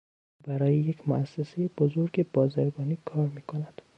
او برای یک موسسهی بزرگ بازرگانی کار میکند.